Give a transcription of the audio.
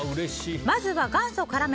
まずは元祖辛麺